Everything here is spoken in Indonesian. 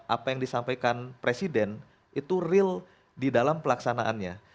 apa yang disampaikan presiden itu real di dalam pelaksanaannya